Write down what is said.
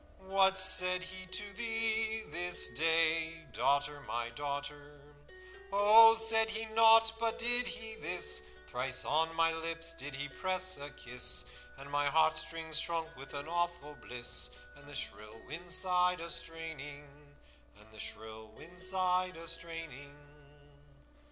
What said he to thee this day, Daughter, my daughter?' 'Oh, said he nought, but did he this: Thrice on my lips did he press a kiss, And my heartstrings shrunk with an awful bliss, And the shrill wind sighed a straining.'